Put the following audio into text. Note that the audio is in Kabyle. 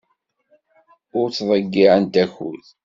Ur ttḍeyyiɛent akud.